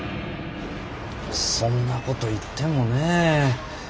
そんなこと言ってもねえ。